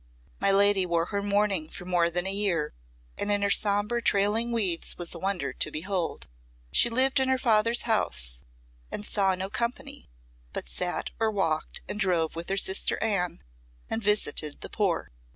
My lady wore her mourning for more than a year, and in her sombre trailing weeds was a wonder to behold. She lived in her father's house, and saw no company, but sat or walked and drove with her sister Anne, and visited the poor.